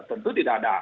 tentu tidak ada